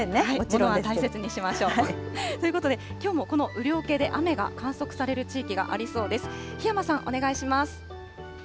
物は大切にしましょう。ということで、きょうもこの雨量計で雨が観測される地域がありそうです。